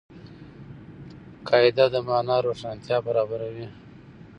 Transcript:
قاعده د مانا روښانتیا برابروي.